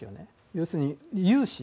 要するに、融資。